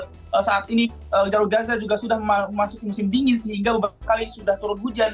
karena saat ini jalur gaza juga sudah masuk musim dingin sehingga beberapa kali sudah turun hujan